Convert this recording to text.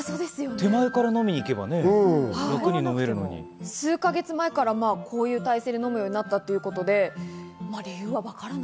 手前から飲みに行けば楽に飲数か月前からこの体勢で飲むようになったということです。